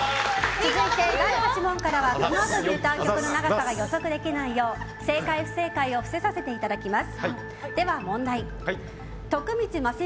続いて第８問からはこのあとに歌う曲の長さが予測できないよう正解・不正解を伏せさせていただきます。